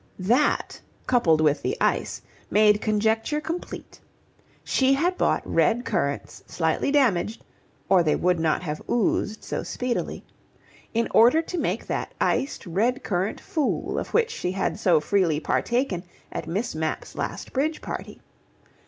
That, coupled with the ice, made conjecture complete. She had bought red currants slightly damaged (or they would not have oozed so speedily), in order to make that iced red currant fool of which she had so freely partaken at Miss Mapp's last bridge party.